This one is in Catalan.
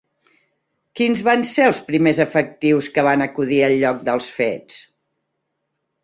Quins van ser els primers efectius que van acudir al lloc dels fets?